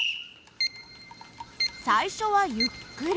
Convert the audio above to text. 最初はゆっくり。